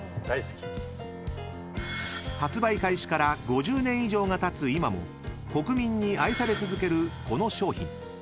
［発売開始から５０年以上がたつ今も国民に愛され続けるこの商品］